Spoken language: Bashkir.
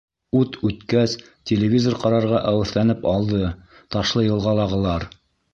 Ут үткәс, телевизор ҡарарға әүәҫләнеп алды ташлыйылғалылар.